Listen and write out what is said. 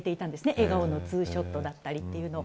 笑顔のツーショットだったりというのを。